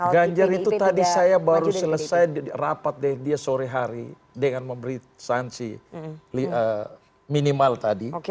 ganjar itu tadi saya baru selesai rapat dengan dia sore hari dengan memberi sanksi minimal tadi